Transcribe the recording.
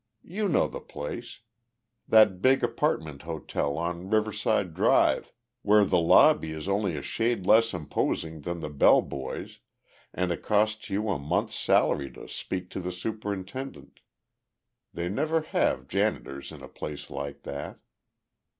You know the place that big apartment hotel on Riverside Drive where the lobby is only a shade less imposing than the bell boys and it costs you a month's salary to speak to the superintendent. They never have janitors in a place like that.